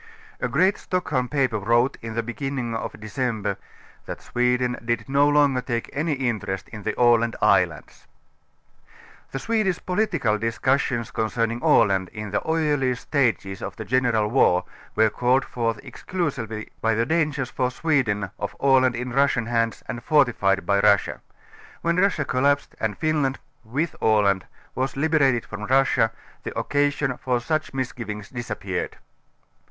A great Stockholm paper wrote in the beginning of December .,that Sweden did no longer take any interest in the Aland islands". The Swedish political discussions concerning Aland in the earlier stages of the general. war were called forth ex clusively by the dangers for Sweden of Aland in Russian hands and fortified by Russia'. When Russia collapsed and Finland ŌĆö with Aland ŌĆö was liberated from Russia, the occasion, for ^uch misgivings disappeared.